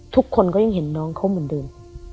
ทุกคนก็ยังเห็นน้องเขาเหมือนเดิม